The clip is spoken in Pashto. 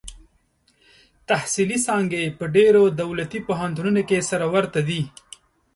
تحصیلي څانګې په ډېرو دولتي پوهنتونونو کې سره ورته دي.